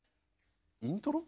イントロ？